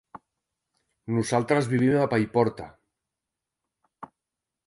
Nosaltres vivim a Paiporta.